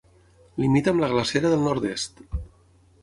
Limita amb la glacera del nord-est.